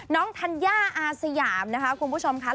ธัญญาอาสยามนะคะคุณผู้ชมค่ะ